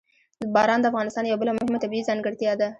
باران د افغانستان یوه بله مهمه طبیعي ځانګړتیا ده.